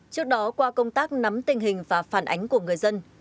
trước đó qua công tác nắm tình hình và phản ánh của người dân